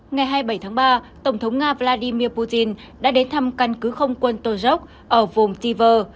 ngày hai mươi bảy tháng ba tổng thống nga vladimir putin đã đến thăm căn cứ không quân tozhok ở vomtivor